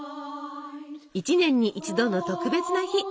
一年に一度の特別な日！